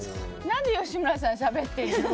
何で吉村さんしゃべってるの？